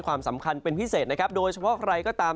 ความสำคัญเป็นพิเศษนะครับโดยเฉพาะใครก็ตาม